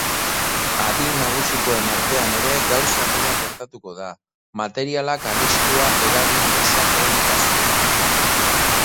Adin nagusikoen artean ere gauza bera gertatuko da materialak arriskua eragin dezakeen kasuetan.